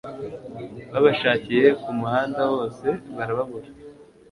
babashakiye ku muhanda wose, barababura